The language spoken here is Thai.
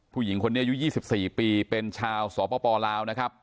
ผู้หญิงคนนี้อายุ๒๔ปีเป็นชาวสปลาวนะครับ